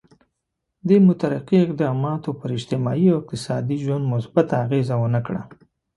دې مترقي اقداماتو پر اجتماعي او اقتصادي ژوند مثبته اغېزه ونه کړه.